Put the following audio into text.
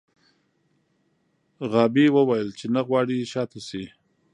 غابي وویل چې نه غواړي شا ته شي.